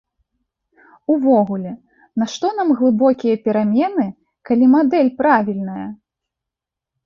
Увогуле, нашто нам глыбокія перамены, калі мадэль правільная?